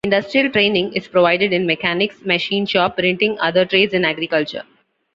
Industrial training is provided in mechanics, machine shop, printing, other trades, and agriculture.